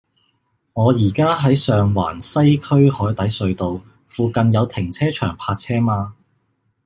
我依家喺上環西區海底隧道，附近有停車場泊車嗎